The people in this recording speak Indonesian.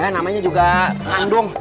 namanya juga sandung